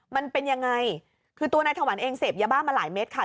มันเป็นยังไงคือตัวนายถวันเองเสพยาบ้ามาหลายเม็ดค่ะ